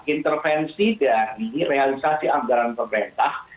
intervensi dari realisasi anggaran pemerintah